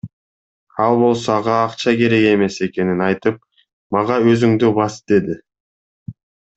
Ал болсо ага акча керек эмес экенин айтып, мага Өзүңдү бас деди.